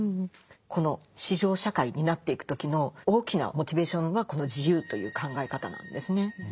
この市場社会になっていく時の大きなモチベーションはこの自由という考え方なんですね。